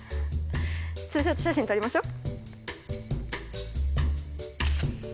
ツーショット写真撮りましょ。